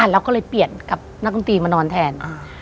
เราก็เลยเปลี่ยนกับนักดนตรีมานอนแทน